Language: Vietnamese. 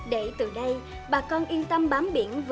để từ đây bà con yên tâm bám biển